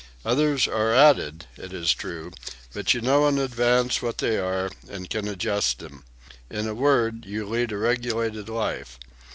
Others are added, it is true, but you know in advance what they are and can adjust them; in a word you lead a regulated life.